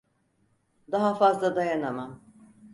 Daha fazla dayanamam.